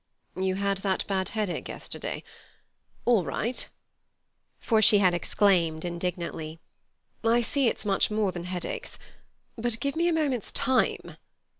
"You had that bad headache yesterday—All right"—for she had exclaimed indignantly: "I see it's much more than headaches. But give me a moment's time."